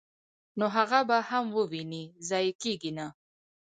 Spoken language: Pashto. نو هغه به هم وويني، ضائع کيږي نه!!.